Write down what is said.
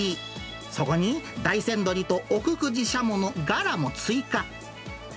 そこに、大山どりと奥久慈しゃものガラも追加。